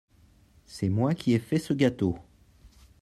C'est moi qui ait fait ce gâteau.